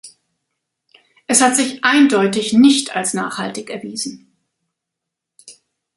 Es hat sich eindeutig nicht als nachhaltig erwiesen.